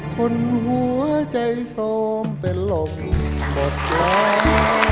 คนหัวใจโสมเป็นลมหมดแรง